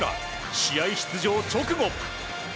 試合出場直後。